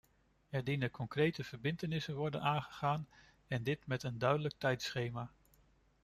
Er dienen concrete verbintenissen te worden aangegaan en dit met een duidelijk tijdschema.